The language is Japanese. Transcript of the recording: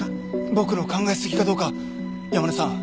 僕の考え過ぎかどうか山根さん。